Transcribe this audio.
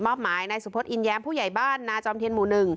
หมายนายสุพธิ์อินแย้มผู้ใหญ่บ้านนาจอมเทียนหมู่๑